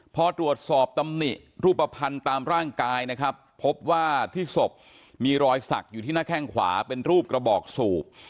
พอตรวจสอบตำหนิรูปภัณฑ์ตามร่างกายนะครับพบว่าที่ศพมีรอยสักอยู่ที่หน้าแข้งขวาเป็นรูปกระบอกสูบ